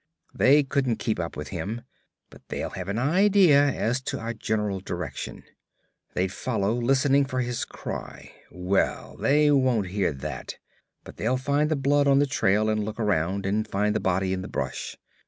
They couldn't keep up with him, but they'll have an idea as to our general direction. They'd follow, listening for his cry. Well, they won't hear that, but they'll find the blood on the trail, and look around and find the body in the brush.